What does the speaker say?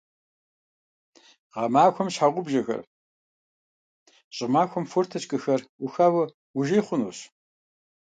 Гъэмахуэм щхьэгъубжэхэр, щӀымахуэм форточкэхэр Ӏухауэ ужей хъунущ.